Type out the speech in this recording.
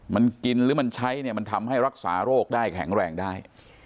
มันกินหรือมันใช้เนี่ยมันทำให้รักษาโรคได้แข็งแรงได้